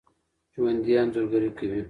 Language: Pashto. ژوندي انځورګري کوي